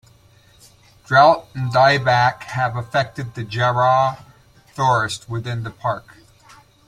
Drought and dieback have affected the jarrah forest within the park.